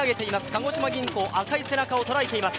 鹿児島銀行の背中を捉えています。